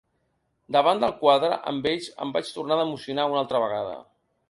Davant del quadre amb ells em vaig tornar a emocionar una altra vegada.